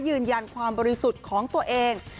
ยืนยันความบริสุทธิ์ของตัวเอง